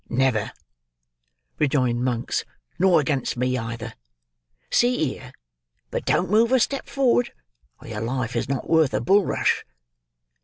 "Never," rejoined Monks; "nor against me either. See here! But don't move a step forward, or your life is not worth a bulrush."